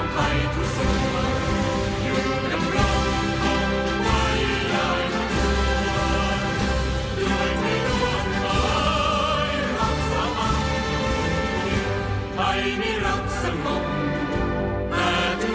เป็นกระชาธรรมหักไทยของใครทุกส่วน